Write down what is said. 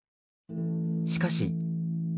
しかし。